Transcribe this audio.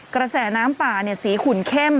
กระแสน้ำป่าสีขุ่นเข้ม